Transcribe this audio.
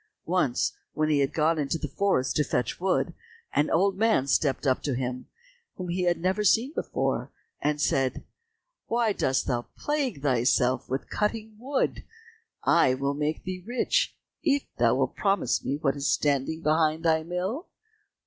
Once when he had gone into the forest to fetch wood, an old man stepped up to him whom he had never seen before, and said, "Why dost thou plague thyself with cutting wood, I will make thee rich, if thou wilt promise me what is standing behind thy mill?"